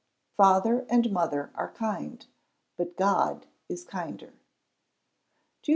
[FATHER AND MOTHER ARE KIND, BUT GOD IS KINDER.] 2541.